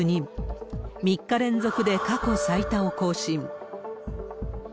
３日連続で過去最多を更新。